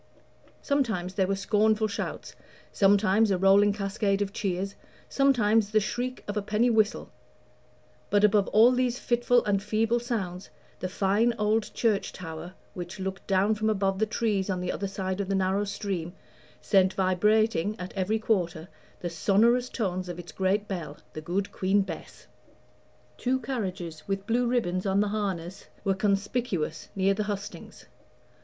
Sometimes there were scornful shouts, sometimes a rolling cascade of cheers, sometimes the shriek of a penny whistle; but above all these fitful and feeble sounds, the fine old church tower, which looked down from above the trees on the other side of the narrow stream, sent vibrating, at every quarter, the sonorous tones of its great bell, the Good Queen Bess. Two carriages, with blue ribbons on the harness, were conspicuous near the hustings.